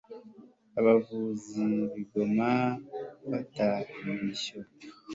abavuzi bingoma mufate imirishyo